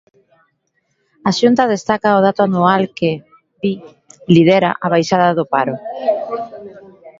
A Xunta destaca o dato anual que, di, lidera a baixada do paro.